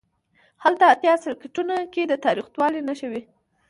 هلته اتیا سلکیټونو کې د تاوتریخوالي نښې وې.